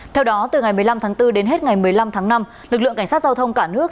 theo đó từ ngày một mươi năm tháng bốn đến hết ngày một mươi năm tháng năm lực lượng cảnh sát giao thông cả nước